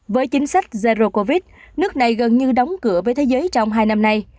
với chính sách zero covid nước này gần như đóng cửa với thế giới trong hai năm nay